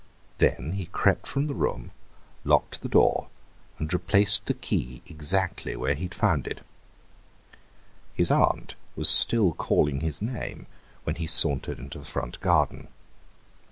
Then he crept from the room, locked the door, and replaced the key exactly where he had found it. His aunt was still calling his name when he sauntered into the front garden.